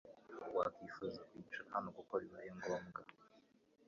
Wakwifuza kwicara hano kuko bibaye ngombwa